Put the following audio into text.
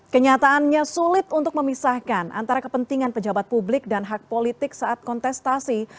kenyataannya sulit untuk memisahkan antara kepentingan pejabat publik dan hak politik saat kontestasi